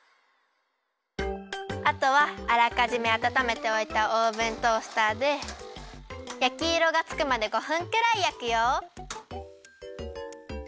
あとはあらかじめあたためておいたオーブントースターでやきいろがつくまで５分くらいやくよ。